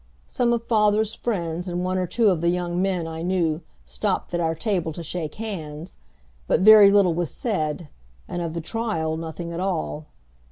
Some of father's friends and one or two of the young men I knew stopped at our table to shake hands, but very little was said, and of the trial nothing at all.